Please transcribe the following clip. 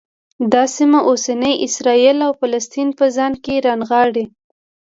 دا سیمه اوسني اسرایل او فلسطین په ځان کې رانغاړي.